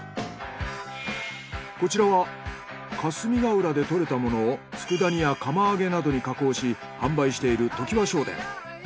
こちらは霞ヶ浦で獲れたものを佃煮や釜揚げなどに加工し販売している常磐商店。